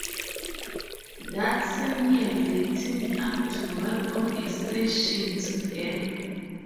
That same year they teamed up to work on a session together.